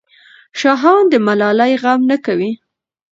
شاهان د ملالۍ غم نه کوي.